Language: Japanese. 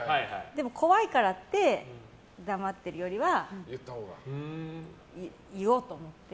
でも、怖いからって黙っているよりは言おうと思って。